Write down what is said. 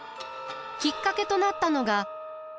きっかけとなったのが。